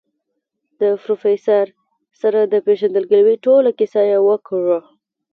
د پروفيسر سره د پېژندګلوي ټوله کيسه يې وکړه.